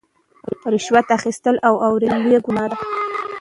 رشوت اخیستل او ورکول لویه ګناه ده.